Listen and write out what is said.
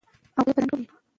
ای بچای، یازور ته روڅه